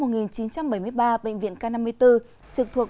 bệnh viện k năm mươi bốn trực thuộc